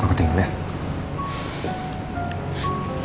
aku santo nulih ya